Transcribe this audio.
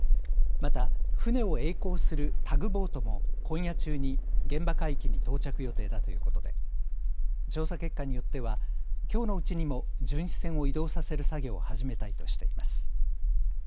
また船をえい航するタグボートも今夜中に現場海域に到着予定だということで調査結果によってはきょうのうちにも巡視船を移動させる作業を始めたいとしています。